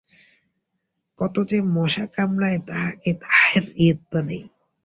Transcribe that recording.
কত যে মশা কামড়ায় তাহাকে তাহার ইয়ত্তা নাই।